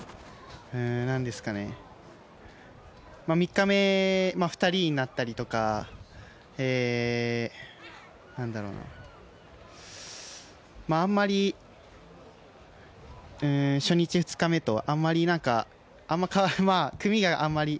３日目２人になったりとかあんまり初日、２日目と組があまり。